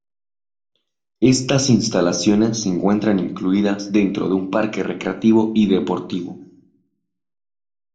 Estas instalaciones se encuentran incluidas dentro de un parque recreativo y deportivo.